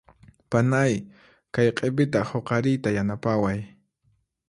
Panay kay q'ipita huqariyta yanapaway.